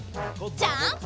ジャンプ！